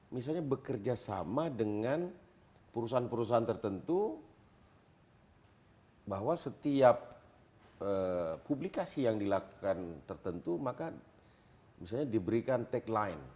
misalnya bekerja sama dengan perusahaan perusahaan tertentu bahwa setiap publikasi yang dilakukan tertentu maka misalnya diberikan tagline